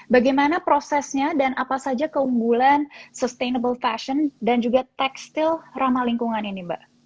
bagaimana prosesnya dan apa saja keunggulan sustainable fashion dan juga tekstil ramah lingkungan ini mbak